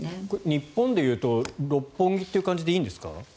日本で言うと六本木という感じでいいんですか？